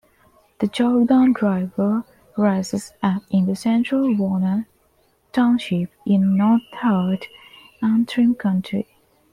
The Jordan River rises at in central Warner Township in northeast Antrim County.